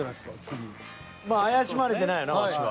まあ怪しまれてないよなワシは。